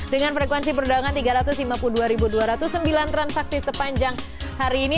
dengan frekuensi perdagangan tiga ratus lima puluh dua dua ratus sembilan transaksi sepanjang hari ini